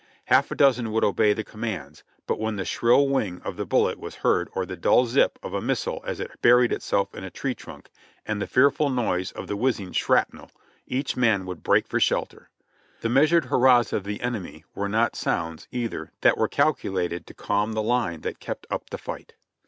Half a dozen would obey the commands, but when the shrill whing of the bullet was heard or the dull zip of the missile as it buried itself in a tree trunk, and the fearful noise of the whizzing shrapnel, each man would break for shelter. The measured hurrahs of the enemy were not sounds, either, that were calculated to calm the line that kept up the fight.